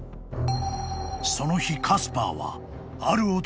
［その日カスパーは］